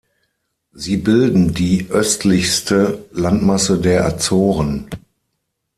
Sie bilden die östlichste Landmasse der Azoren.